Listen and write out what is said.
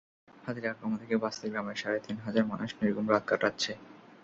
হাতির আক্রমণ থেকে বাঁচতে গ্রামের সাড়ে তিন হাজার মানুষ নির্ঘুম রাত কাটাচ্ছে।